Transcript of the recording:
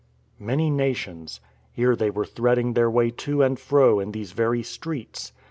"Many nations ..." Here they were threading their way to and fro in these very streets.